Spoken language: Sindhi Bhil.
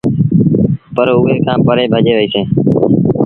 پر اُئي کآݩ پري ڀڄي وهيٚسينٚ